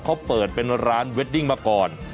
เขาเปิดเป็นร้านเวดดิ้งมาก่อน